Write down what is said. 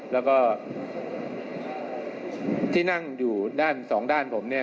แล้วก็ที่นั่งอยู่ด้านสองด้านผมเนี่ย